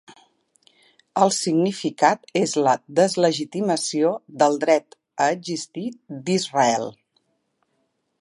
El significat és la deslegitimació del dret a existir d'Israel.